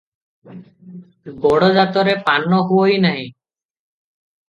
ଗଡ଼ଜାତରେ ପାନ ହୁଅଇ ନାହିଁ ।